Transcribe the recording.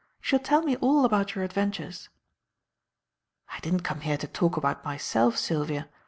You shall tell me all about your adventures." "I didn't come here to talk about myself, Sylvia.